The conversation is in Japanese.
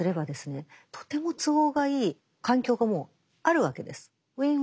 とても都合がいい環境がもうあるわけです。